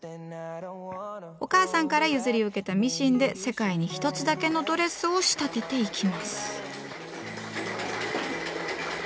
お母さんから譲り受けたミシンで世界に一つだけのドレスを仕立てていきます。